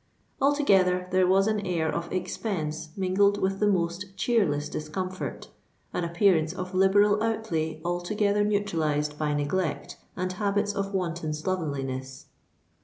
Altogether, there was an air of expense mingled with the most cheerless discomfort—an appearance of liberal outlay altogether neutralized by neglect and habits of wanton slovenliness.